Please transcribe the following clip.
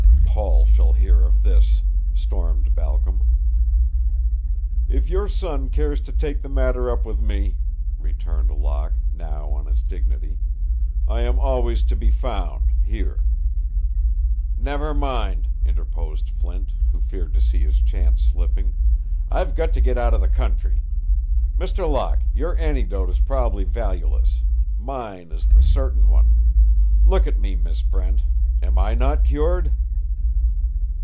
"Paul shall hear of this," stormed Balcom. "If your son cares to take the matter up with me," returned Locke, now on his dignity, "I am always to be found here." "Never mind," interposed Flint, who feared to see his chance slipping, "I've got to get out of the country. Mr. Locke, your antidote is probably valueless; mine is the certain one. Look at me, Miss Brent. Am I not cured?"